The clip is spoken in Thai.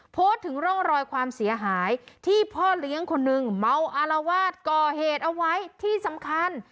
โพสต์ถึงร่องรอยความเสียหายที่พ่อเลี้ยงคนนึงเมาอารวาสก่อเหตุเอาไว้ที่สำคัญ